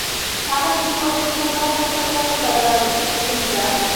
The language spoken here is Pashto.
هغه د دې وسیلې په مرسته خپله نړۍ بدله ولیده